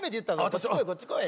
こっち来いこっち来い。